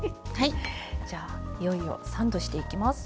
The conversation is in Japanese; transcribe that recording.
じゃあいよいよサンドしていきます。